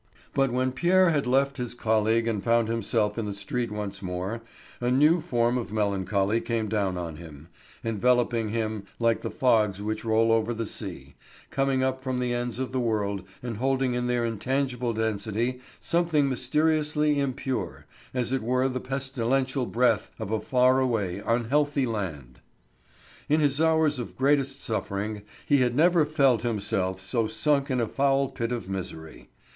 But when Pierre had left his colleague and found himself in the street once more, a new form of melancholy came down on him, enveloping him like the fogs which roll over the sea, coming up from the ends of the world and holding in their intangible density something mysteriously impure, as it were the pestilential breath of a far away, unhealthy land. In his hours of greatest suffering he had never felt himself so sunk in a foul pit of misery.